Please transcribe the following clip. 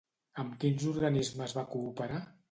Amb quins organismes va cooperar?